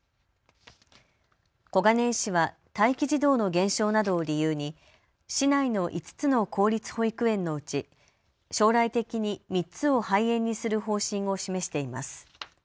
小金井市は待機児童の減少などを理由に市内の５つの公立保育園のうち将来的に３つを廃園にする方針を示しています。